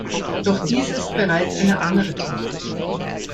Doch dies ist bereits eine andere Thematik.